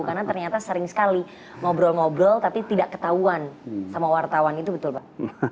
karena ternyata sering sekali ngobrol ngobrol tapi tidak ketahuan sama wartawan itu betul pak